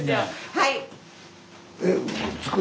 はい！